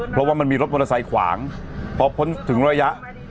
เพราะว่ามันมีรถทนไทยขวางเพราะเพราะถึงระยะ